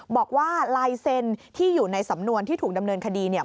บอกว่าลายเซ็นที่อยู่ในสำนวนที่ถูกดำเนินคดีเนี่ย